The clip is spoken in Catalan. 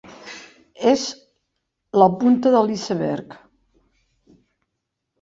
És la punta de l'iceberg.